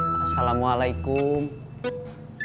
behaviour nya harus nya pas